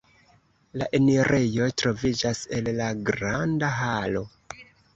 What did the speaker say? La enirejo troviĝas el la granda halo.